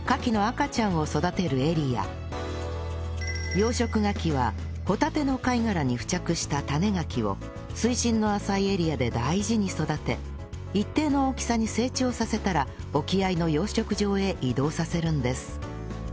養殖ガキはホタテの貝殻に付着した種ガキを水深の浅いエリアで大事に育て一定の大きさに成長させたら沖合の養殖場へ移動させるんです